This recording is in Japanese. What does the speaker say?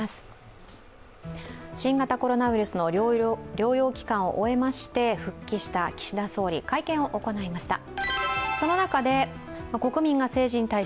新型コロナウイルスの療養期間を終えまして復帰した岸田総理、会見を行いました。